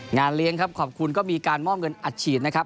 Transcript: งานเลี้ยงครับขอบคุณก็มีการมอบเงินอัดฉีดนะครับ